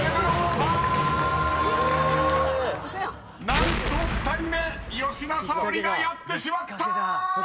［何と２人目吉田沙保里がやってしまった！］